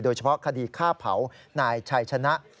โดยเฉพาะคดีฆ่าเผานายชัยชนะ